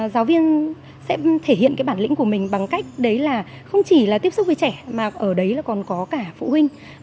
giáo viên sẽ thể hiện cái bản lĩnh của mình bằng cách đấy là không chỉ là tiếp xúc với trẻ mà ở đấy là còn có cả phụ huynh